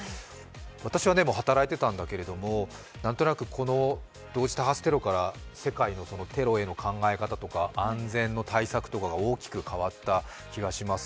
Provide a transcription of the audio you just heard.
私は働いてたんだけれど、何となくこの同時多発テロから世界のテロへの考え方とか安全の対策とかが大きく変わった気がします。